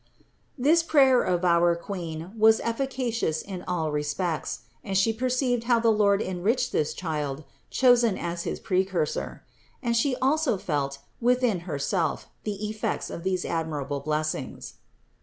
This prayer of our Queen was THE INCARNATION 225 efficacious in all respects, and She perceived how the Lord enriched this child, chosen as his Precursor; and She also felt within Herself the effects of these admirable blessings.